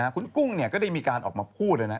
คุณกุ้งก็ได้มีการออกมาพูดเลยนะ